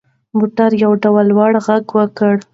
موټر یو ډول لوړ غږ وکړ.